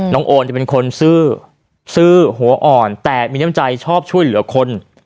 โอนจะเป็นคนซื่อซื้อหัวอ่อนแต่มีน้ำใจชอบช่วยเหลือคน